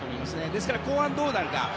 ですから後半どうなるか。